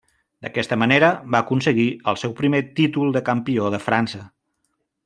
D'aquesta manera va aconseguir el seu primer títol de campió de França.